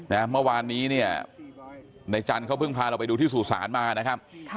เมื่อวานนี้เนี่ยในจันทร์เขาเพิ่งพาเราไปดูที่สู่ศาลมานะครับค่ะ